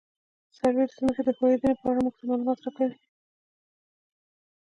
سروې د ځمکې د ښوېدنې په اړه موږ ته معلومات راکوي